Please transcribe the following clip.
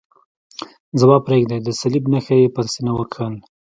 ځواب پرېږدئ، د صلیب نښه یې پر سینه وکښل.